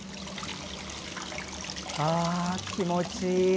ああ気持ちいい！